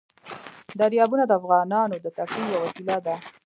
دریابونه د افغانانو د تفریح یوه وسیله ده.